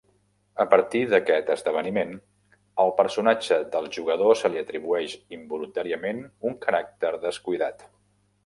A partir d'aquest esdeveniment, al personatge del jugador se li atribueix involuntàriament un caràcter "descuidat".